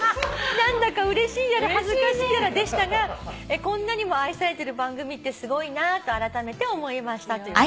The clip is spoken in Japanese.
「何だかうれしいやら恥ずかしいやらでしたがこんなにも愛されてる番組ってすごいなぁとあらためて思いました」という。